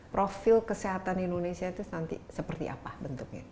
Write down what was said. profil kesehatan indonesia itu nanti seperti apa bentuknya